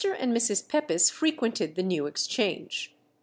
and Mrs. Pepys frequented the New Exchange.